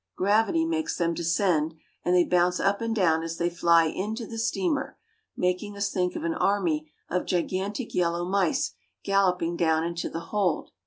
Gravity makes them descend, and they bounce up and down as they fly into the steamer, making us think of an army of gigantic yellow mice galloping down into the hold.